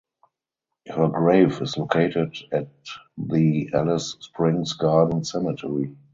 Her grave is located at the Alice Springs Garden Cemetery.